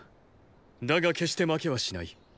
だが決して負けはしない。